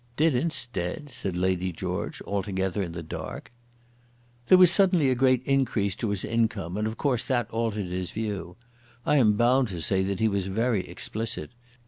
"Did instead!" said Lady George, altogether in the dark. "There was suddenly a great increase to his income, and, of course, that altered his view. I am bound to say that he was very explicit.